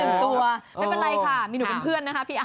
ตัวไม่เป็นไรค่ะมีหนูเป็นเพื่อนนะคะพี่อ้